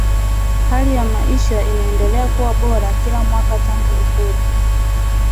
hali ya maisha imeendelea kuwa bora kila mwaka tangu uhuru